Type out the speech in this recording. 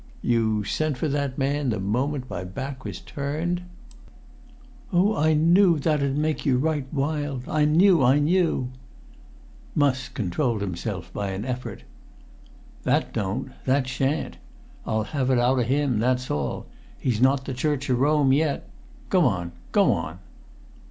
"You sent for that man the moment my back was turned?" "Oh, I knew that'd make you right wild—I knew—I knew!" [Pg 16]Musk controlled himself by an effort. "That don't. That sha'n't. I'll have it out of him, that's all; he's not the Church o' Rome yet! Go on. Go on."